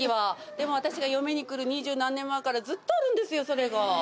でも私が嫁に来る二十何年前からずっとあるんですよ、それが。